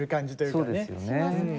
そうですよね。